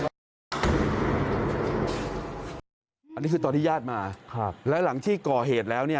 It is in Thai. ตรงนี้คือตรงไหนตรงนี้ก็คือคุณสุภาพสตรีเมื่อสักครู่นี้